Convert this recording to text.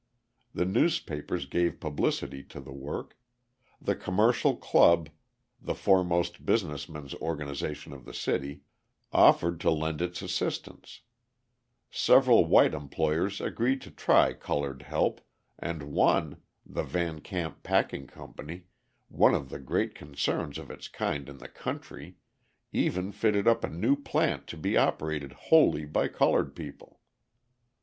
The newspapers gave publicity to the work; the Commercial Club, the foremost business men's organisation of the city, offered to lend its assistance; several white employers agreed to try coloured help, and one, the Van Camp Packing Company, one of the great concerns of its kind in the country, even fitted up a new plant to be operated wholly by coloured people.